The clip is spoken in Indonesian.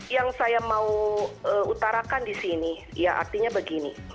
yang saya mau utarakan di sini ya artinya begini